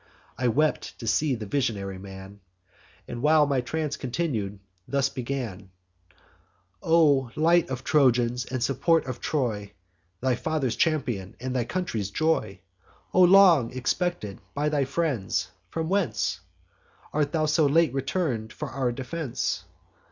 I wept to see the visionary man, And, while my trance continued, thus began: 'O light of Trojans, and support of Troy, Thy father's champion, and thy country's joy! O, long expected by thy friends! from whence Art thou so late return'd for our defence?